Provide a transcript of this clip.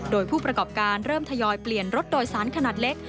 โดยผู้ประกอบการเริ่มทยอยเปลี่ยนรถโดยสารขนาดเล็ก